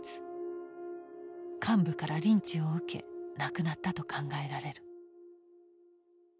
幹部からリンチを受け亡くなったと考えられる。